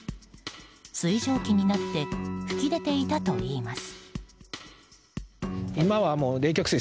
水蒸気になって吹き出ていたといいます。